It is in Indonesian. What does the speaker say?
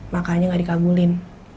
makanya gak dikabulin